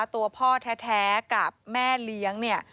ตัวพ่อแท้กับแม่เลี้ยงเนี่ย